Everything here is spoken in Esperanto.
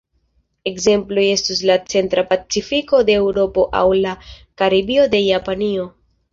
Ekzemploj estus la Centra Pacifiko de Eŭropo aŭ la Karibio de Japanio.